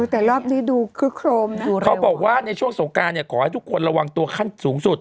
แต่รอบนี้ดูคึกโครมนะเขาบอกว่าในช่วงสงการเนี่ยขอให้ทุกคนระวังตัวขั้นสูงสุด